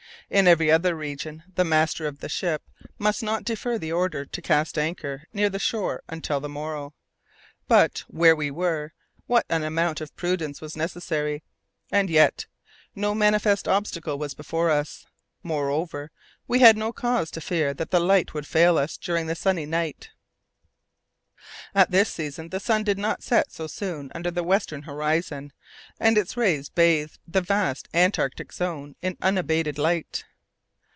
In every other region, the master of a ship must not defer the order to cast anchor near the shore until the morrow. But, where we were, what an amount of prudence was necessary! And yet, no manifest obstacle was before us. Moreover, we had no cause to fear that the light would fail us during the sunny hours of the night. At this season the sun did not set so soon under the western horizon, and its rays bathed the vast Antarctic zone in unabated light.